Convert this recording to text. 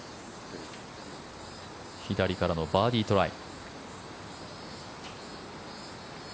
左からのバーディートライ。